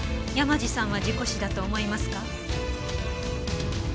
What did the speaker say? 鱒乃さんは事故死だと思いますか？